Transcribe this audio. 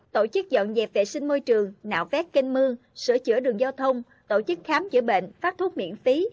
tổ chức dọn dẹp vệ sinh môi trường nạo vét kênh mương sửa chữa đường giao thông tổ chức khám chữa bệnh phát thuốc miễn phí